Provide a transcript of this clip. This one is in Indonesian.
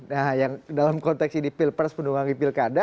nah yang dalam konteks ini pilpres menunggangi pilkada